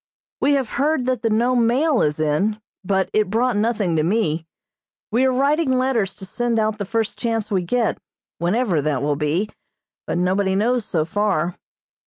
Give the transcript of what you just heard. We have heard that the Nome mail is in, but it brought nothing to me. We are writing letters to send out the first chance we get, whenever that will be, but nobody knows so far.